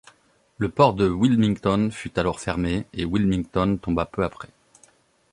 Le port de Wilmington fut alors fermé et Wilmington tomba peu après.